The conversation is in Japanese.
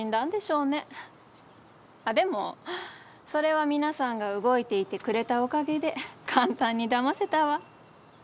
あっでもそれは皆さんが動いていてくれたおかげで簡単に騙せたわ。